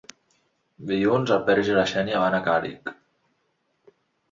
Dilluns en Peris i na Xènia van a Càlig.